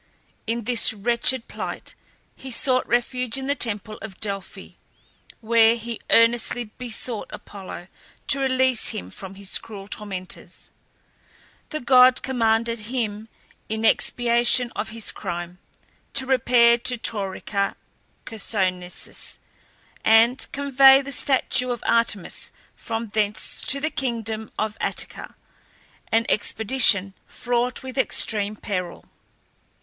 In this wretched plight he sought refuge in the temple of Delphi, where he earnestly besought Apollo to release him from his cruel tormentors. The god commanded him, in expiation of his crime, to repair to Taurica Chersonnesus and convey the statue of Artemis from thence to the kingdom of Attica, an expedition fraught with extreme peril.